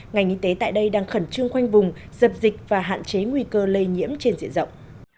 ngành y tế tại đây đang khẩn trương khoanh vùng dập dịch và hạn chế nguy cơ lây nhiễm trên diện rộng